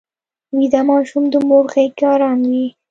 ویده ماشوم د مور غېږ کې ارام وي